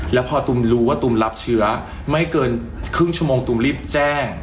แล้วพอตุมรู้ว่าตุ๋มรับเชื้อไม่เกินครึ่งชั่วโมงตุ๋มรีบแจ้ง